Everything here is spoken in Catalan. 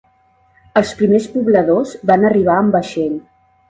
Els primers pobladors van arribar en vaixell.